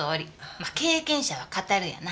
まあ「経験者は語る」やな。